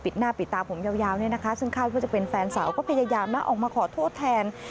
หน้าปิดตาผมยาวเนี่ยนะคะซึ่งคาดว่าจะเป็นแฟนสาวก็พยายามนะออกมาขอโทษแทน